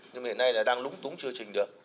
nhưng hiện nay là đang lúng túng chưa trình được